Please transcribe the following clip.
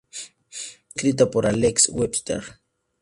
Fue escrita por Alex Webster.